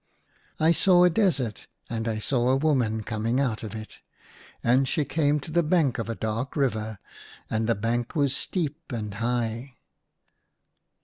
I saw a desert and I saw a woman coming out of it. And she came to the bank of a dark river ; and the bank was steep and high.